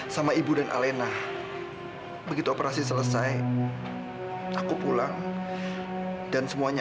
sampai jumpa di video selanjutnya